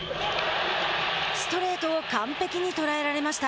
ストレートを完璧に捉えられました。